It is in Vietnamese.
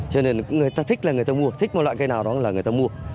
cho nên người ta thích là người ta mua thích một loại cây nào đó là người ta mua